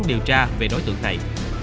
điều tra về đối tượng này